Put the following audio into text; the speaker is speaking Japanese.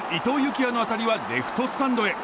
季也の当たりはレフトスタンドへ。